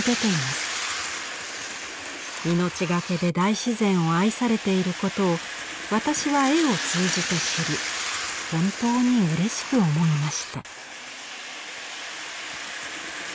命がけで大自然を愛されている事を私は絵を通じて知り本当に嬉しく思いました」。